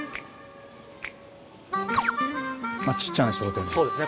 ちっちゃな商店街です。